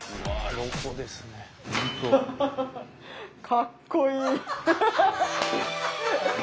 かっこいい！